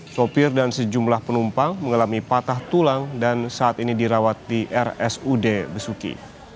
sopir dan sejumlah penumpang mengalami patah tulang dan saat ini dirawat di rsud besuki